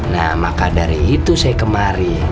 nah maka dari itu saya kemari